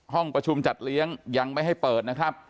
ห้องประชุมจัดเลี้ยงยังไม่ให้เปิดนะครับ